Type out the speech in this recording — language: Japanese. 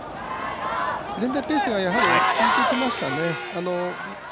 だんだんペースが落ち着いてきましたね。